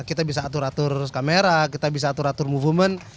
kita bisa atur atur kamera kita bisa atur atur movement